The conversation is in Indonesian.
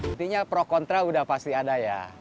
intinya pro kontra udah pasti ada ya